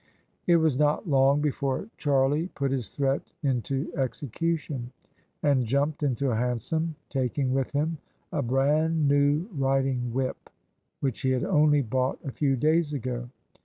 It was not long before Charlie put his threat into execu tion, and jumped into a hansom, taking with him a brand new riding whip which he had only bought a few days ago.